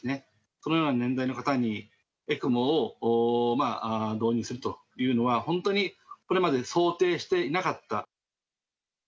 このような年代の方にＥＣＭＯを導入するというのは、本当に、これまで想定していなかった。